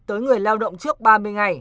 tới người lao động trước ba mươi ngày